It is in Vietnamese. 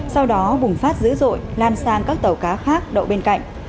sau đó bùng phát dữ dội lan sang các tàu cá khác đậu bên cạnh